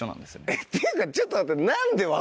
えっていうかちょっと待って。